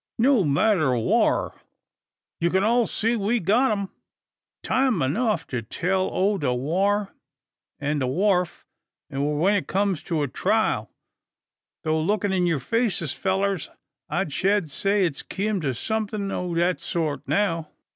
"No matter whar. Ye kin all see we've got 'em. Time enuf to tell o' the whar an' the wharf or when it kums to a trial. Tho lookin' in yur faces, fellurs, I shed say it's kim to somethin' o' that sort now."